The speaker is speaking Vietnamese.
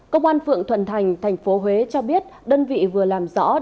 công an phượng thuận thành tp huế cho biết đơn vị vừa làm rõ đối tượng vinh